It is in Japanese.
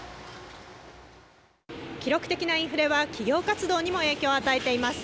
記録的なインフレは企業活動にも影響を与えています。